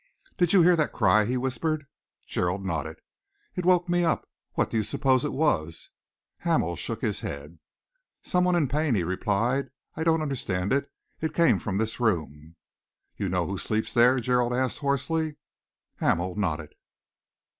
"Did you hear that cry?" he whispered. Gerald nodded. "It woke me up. What do you suppose it was?" Hamel shook his head. "Some one in pain," he replied. "I don't understand it. It came from this room." "You know who sleeps there?" Gerald asked hoarsely. Hamel nodded.